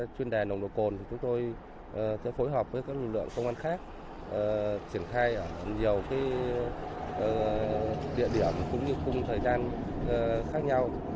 chúng tôi sẽ phối hợp với các lực lượng công an khác triển khai ở nhiều địa điểm cũng như cùng thời gian khác nhau